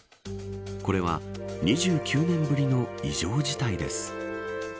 これは２９年ぶりの異常事態です。